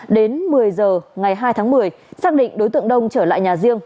đến một mươi giờ ngày hai tháng một mươi xác định đối tượng đông trở lại nhà riêng